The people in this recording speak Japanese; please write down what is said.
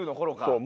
そう！